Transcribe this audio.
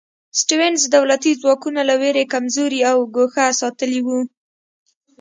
سټیونز دولتي ځواکونه له وېرې کمزوري او ګوښه ساتلي وو.